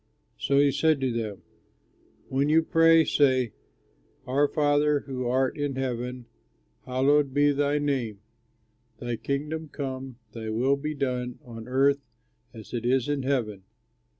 So he said to them, "When you pray, say: 'Our Father who art in heaven, hallowed be thy name, thy kingdom come, thy will be done on earth as it is in heaven.